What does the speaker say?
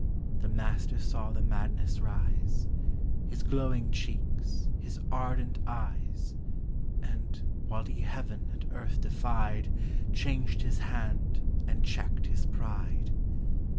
The master saw the madness rise ; His glowing cheeks, his ardent eyes ; And, while he heaven and earth defied, Changed his hand and checked his pride.